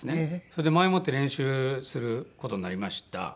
それで前もって練習する事になりました。